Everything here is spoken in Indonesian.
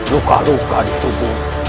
luka luka di tubuh